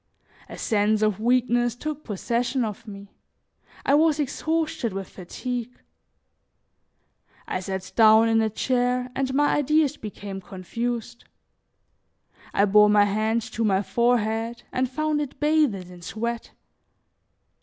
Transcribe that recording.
A sense of weakness took possession of me; I was exhausted with fatigue. I sat down in a chair and my ideas became confused; I bore my hand to my forehead and found it bathed in sweat.